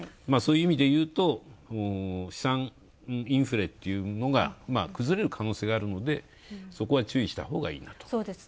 そういう意味で言うと、資産インフレというのが、崩れる可能性があるのであるので、そこは注意したほうがいいなと。